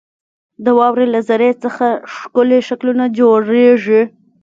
• د واورې له ذرې څخه ښکلي شکلونه جوړېږي.